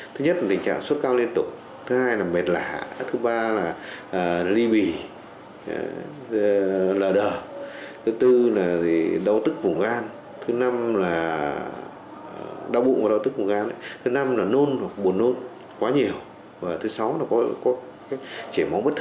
thứ sáu là có trẻ máu bất thường